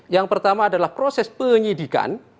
yang pertama adalah proses penyidikan